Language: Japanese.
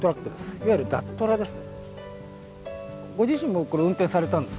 いわゆるダットラです。